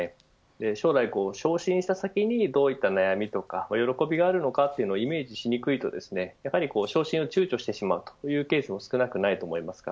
将来、昇進した先にどういった悩みとか喜びがあるのかイメージしにくいとやはり昇進をちゅうちょしてしまうというケースも少なくないと思います。